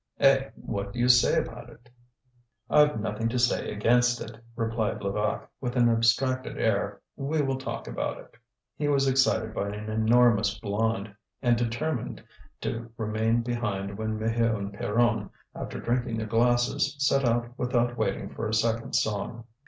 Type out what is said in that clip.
Eh, what do you say to it?" "I've nothing to say against it," replied Levaque, with an abstracted air. "We will talk about it." He was excited by an enormous blonde, and determined to remain behind when Maheu and Pierron, after drinking their glasses, set out without waiting for a second song.